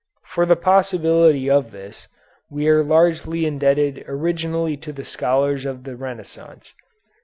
For the possibility of this we are largely indebted originally to the scholars of the Renaissance.